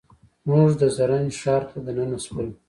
موږ د زرنج ښار ته دننه شولو.